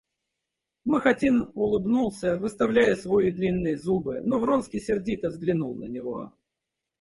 Махотин улыбнулся, выставляя свои длинные зубы, но Вронский сердито взглянул на него.